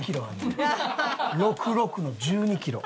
６６の１２キロ。